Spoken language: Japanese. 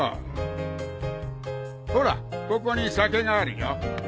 ほらここに酒があるよ。